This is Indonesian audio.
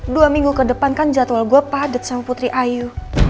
dua minggu kedepan kan jadwal gue padet sama putri ayu